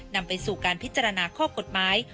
นำไปสู่การพิจารณาข้อกฎหมาย